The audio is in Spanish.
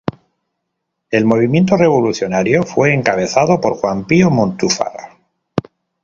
El movimiento revolucionario fue encabezado por Juan Pío Montúfar.